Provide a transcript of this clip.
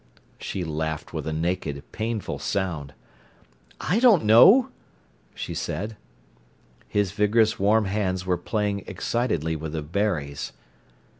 She laughed with a naked, painful sound. "I don't know," she said. His vigorous warm hands were playing excitedly with the berries.